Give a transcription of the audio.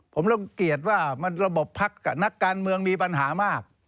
ผมรังเกียจว่าระบบพักกับนักการเมืองมีปัญหามาก